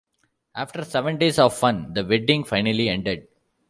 After seven days of fun, the wedding finally ended.